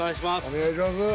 お願いします。